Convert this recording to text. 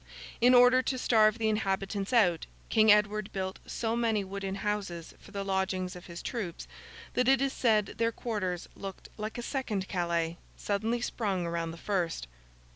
In order to starve the inhabitants out, King Edward built so many wooden houses for the lodgings of his troops, that it is said their quarters looked like a second Calais suddenly sprung around the first.